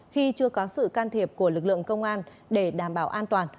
khi chưa có sự can thiệp của lực lượng công an